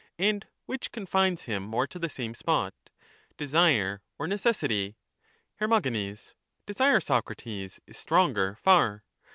and which confines him more to the same spot, — desire or necessity? Her. Desire, Socrates, is stronger far.